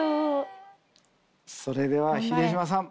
それでは秀島さん